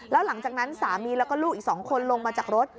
แล้วหลังจากนั้นสามีแล้วก็ลูกอีก๒คนลงมาจากรถ